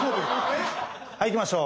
はいいきましょう。